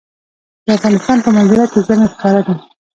د افغانستان په منظره کې ژمی ښکاره ده.